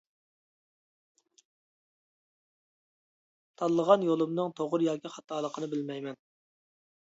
تاللىغان يولۇمنىڭ توغرا ياكى خاتالىقىنى بىلمەيمەن.